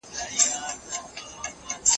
غيبت د مړي د غوښې په څېر دی.